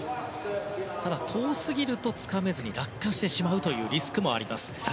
ただ遠すぎるとつかめずに落下してしまうというリスクもあります。